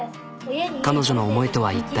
彼女の思いとは一体。